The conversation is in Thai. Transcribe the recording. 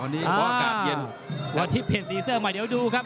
อื่นวันนี้เปี้ยนสีเสื้อใหม่เดี๋ยวดูครับ